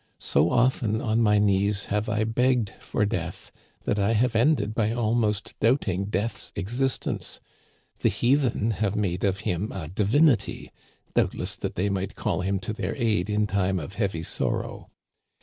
So often on my knees have I begged for death that I have ended by almost doubting Death's existence. The heathen have made of him a divinity, doubtless that they might call him to their aid in time of heavy sorrow.